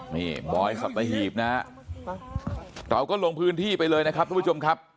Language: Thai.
นี่บอยสัตหีบนะฮะเราก็ลงพื้นที่ไปเลยนะครับทุกผู้ชมครับ